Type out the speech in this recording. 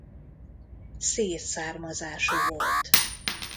Szír származású volt.